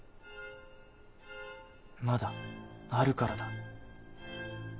まだあるからだ。